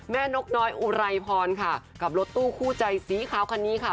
นกน้อยอุไรพรค่ะกับรถตู้คู่ใจสีขาวคันนี้ค่ะ